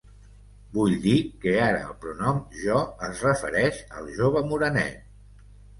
Vull dir que ara el pronom jo es refereix al jove morenet.